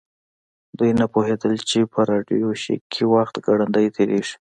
دوی نه پوهیدل چې په راډیو شیک کې وخت ګړندی تیریږي